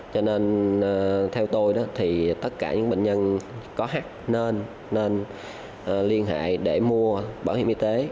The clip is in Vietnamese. cho nên theo tôi tất cả những bệnh nhân có hắc nên liên hệ để mua bảo hiểm y tế